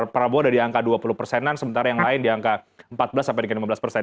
prabowo ada di angka dua puluh persenan sementara yang lain di angka empat belas sampai dengan lima belas persen